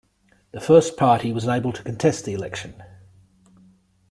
The First Party was unable to contest the election.